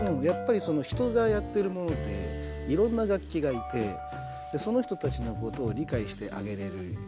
やっぱり人がやってるものでいろんな楽器がいてその人たちのことを理解してあげれる。